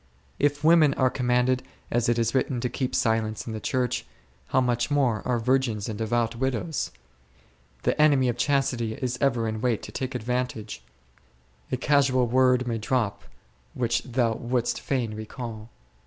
If women are commanded, as it is w T ritten, to keep silence in the Church, how much more are virgins and devout widows! The enemy of chastity is ever in wait to take advan O O — ©rt i^olg Utrgtmtg, 37 tage; a casual word may drop which thou wouldst fain recal.